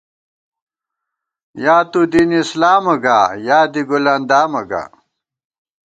یا تُو دین اسلامہ گا یا دی گل اندامہ گا